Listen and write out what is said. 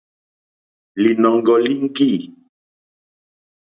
Lìnɔ̀ŋɡɔ̀ líŋɡî.